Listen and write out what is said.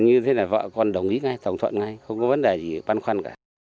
như thế là vợ con đồng ý ngay tổng thuận ngay không có vấn đề gì băn khoăn cả